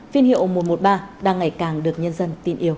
phiên hiệu một trăm một mươi ba đang ngày càng được nhân dân